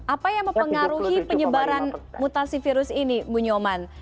apa yang mempengaruhi penyebaran mutasi virus ini bu nyoman